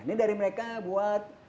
ini dari mereka buat